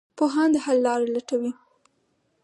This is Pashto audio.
پوهان د حل لاره ولټوي.